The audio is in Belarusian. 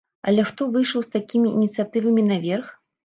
Але хто выйшаў з такімі ініцыятывамі наверх?